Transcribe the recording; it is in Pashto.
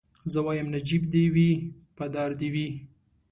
زه وايم نجيب دي وي په دار دي وي